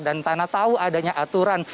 dan tanah tahu adanya aturan